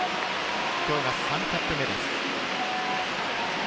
今日が３キャップ目です。